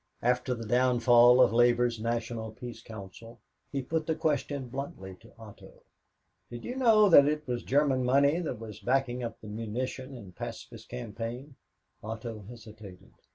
After the downfall of Labor's National Peace Council, he put the question bluntly to Otto: "Did you know that it was German money that was backing up the munition and pacifist campaign?" Otto hesitated.